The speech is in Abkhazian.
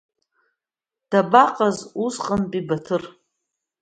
Дабаҟаз усҟантәи Баҭыр?!